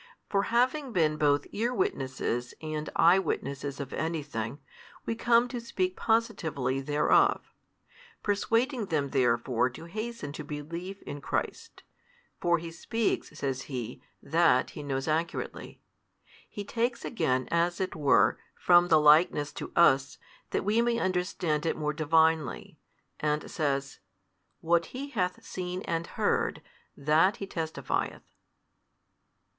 For having been both ear witnesses and eye witnesses of anything, we come to speak positively thereof. Persuading them therefore to hasten to belief in Christ (for He speaks, says he, that He knows accurately), he takes again, as it were, from the likeness to us, that we may understand it more Divinely, and says, What He hath seen and heard, that He testifieth.